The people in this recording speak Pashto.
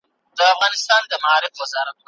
بايد د علمي فقر د ختمولو لپاره مبارزه وسي.